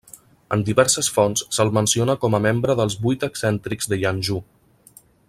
En diverses fonts se'l menciona com a membre dels Vuit Excèntrics de Yangzhou.